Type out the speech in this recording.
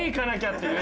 っていう。